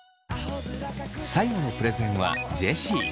最後のプレゼンはジェシー。